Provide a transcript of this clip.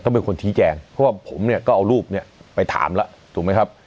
เป็นคนชี้แจงเพราะว่าผมเนี่ยก็เอารูปเนี่ยไปถามแล้วถูกไหมครับ